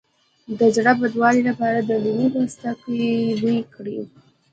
د زړه بدوالي لپاره د لیمو پوستکی بوی کړئ